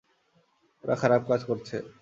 ওরা খারাপ কাজ করছে।